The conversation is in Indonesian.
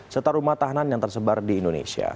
serta rumah tahanan yang tersebar di indonesia